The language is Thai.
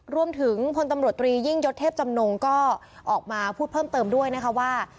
รวมถึงพตรตรียิ่งยศเทพจำนงก็ออกมาพูดเพิ่มเติมด้วยว่า